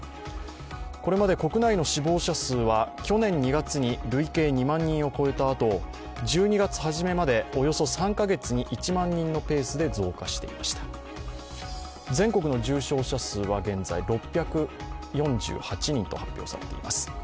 これまで国内の死亡者数は去年の２月に累計２万人を超えたあと１２月初めまで、およそ３か月に１万人のペースで増加していました全国の重症者数は現在６４８人と発表されています。